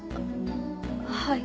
はい。